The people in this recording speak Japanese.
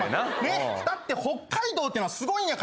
だって北海道っていうのはすごいんやから。